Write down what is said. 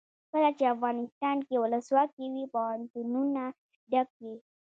کله چې افغانستان کې ولسواکي وي پوهنتونونه ډک وي.